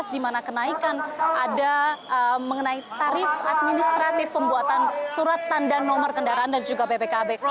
dimana kenaikan ada mengenai tarif administratif pembuatan surat tanda nomor kendaraan dan juga ppkb